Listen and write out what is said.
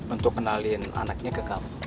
untuk kenalin anaknya ke kamu